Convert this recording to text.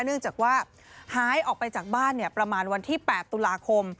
เนื่องจากว่าหายออกไปจากบ้านประมาณวันที่๘ตุลาคม